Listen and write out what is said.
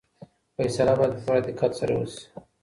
فیصله باید په پوره دقت سره وشي.